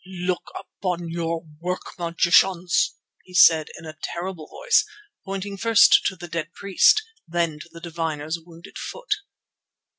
"Look upon your work, magicians!" he said in a terrible voice, pointing first to the dead priest, then to the diviner's wounded foot.